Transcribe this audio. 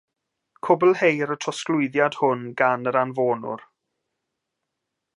Cwblheir y trosglwyddiad hwn gan yr anfonwr.